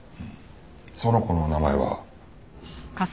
その子の名前は？